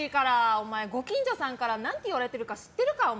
お前、ご近所さんから何て言われてるか知ってるか？